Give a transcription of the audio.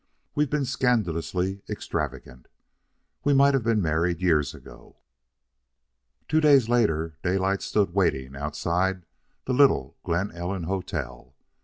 We've been scandalously extravagant. We might have been married years ago." Two days later, Daylight stood waiting outside the little Glen Ellen hotel.